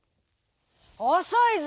「おそいぞ。